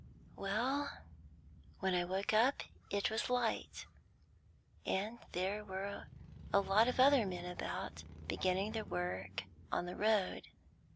"Well, when I woke up, it was light, and there were a lot of other men about, beginning their work on the road.